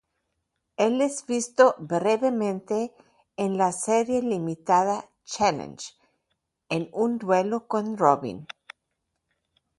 Él es visto brevemente en la serie limitada "Challenge" en un duelo con Robin.